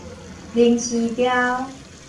翎鷥鵰